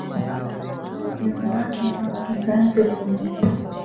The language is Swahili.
Uwezo wake wa kisayansi ulipanushwa na wanasayansi